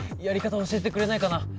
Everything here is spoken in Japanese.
やり方教えてくれないかな？